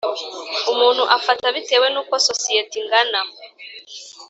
Umuntu afata bitewe n uko sosiyete ingana